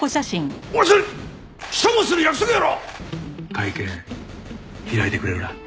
会見開いてくれるな？